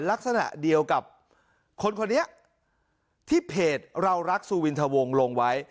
ลักษณะเดียวกับคนคนนี้ที่เพจเรารักสุวินทวงลงไว้